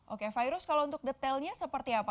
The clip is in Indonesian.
oke virus kalau untuk detailnya seperti apa